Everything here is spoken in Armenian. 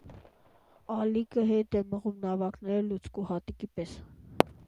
Ալիքը հետ է մղում նավակները լուցկու հատիկի պես։